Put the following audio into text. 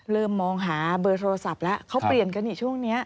เริ่มมองหาเบอร์โทรศัพท์แล้วเขาเปลี่ยนกันอีกช่วงนี้